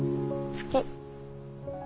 月！